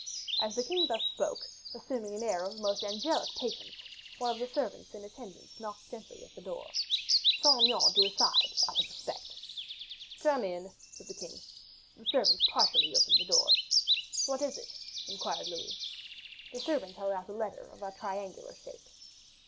As the king thus spoke, assuming an air of the most angelic patience, one of the servants in attendance knocked gently at the door. Saint Aignan drew aside, out of respect. "Come in," said the king. The servant partially opened the door. "What is it?" inquired Louis. The servant held out a letter of a triangular shape.